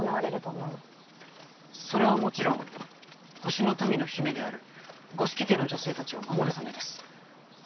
それはもちろん星の民の姫である五色家の女性たちを守るためです。